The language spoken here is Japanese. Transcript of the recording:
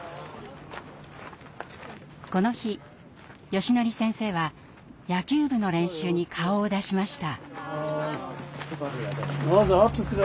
この日よしのり先生は野球部の練習に顔を出しました。